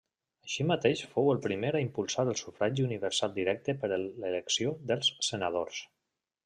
Així mateix fou el primer a impulsar el sufragi universal directe per l'elecció dels senadors.